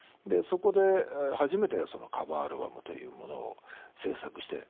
そこで初めてカバーアルバムというものを制作して。